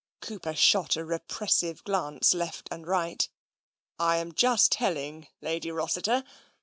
Cooper shot a repressive glance left and right. " I am just telling Lady Rossiter.